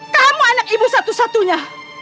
kamu anak ibu satu satunya